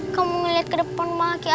kamu ngeliat ke depan